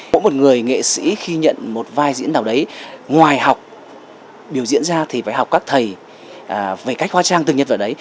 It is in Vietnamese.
mỗi một người nghệ sĩ khi nhận một vai diễn nào đấy ngoài học biểu diễn ra thì phải học các thầy về cách hóa trang tường nhật vào đấy